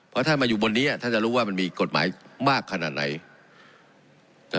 เพราะถ้ามาอยู่บนนี้ท่านจะรู้ว่ามันมีกฎหมายมากขนาดไหน